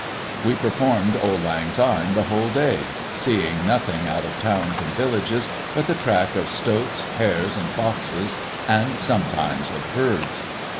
We performed Auld Lang Syne the whole day ; seeing nothing, out of towns and villages, but the track of stoats, hares, and foxes, and sometimes of birds.